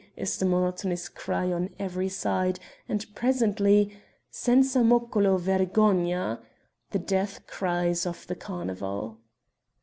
_" is the monotonous cry on every side, and presently: "senza moccolo, vergogna!" the death cries of the carnival.